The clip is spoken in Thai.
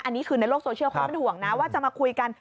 อันนี้คือในโลกโซเชียลเขาเป็นห่วงนะว่าจะมาคุยกัน